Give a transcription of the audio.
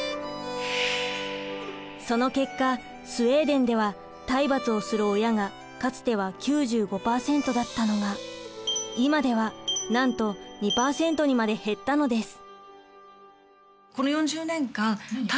その結果スウェーデンでは体罰をする親がかつては９５％だったのが今ではなんと２％にまで減ったのです。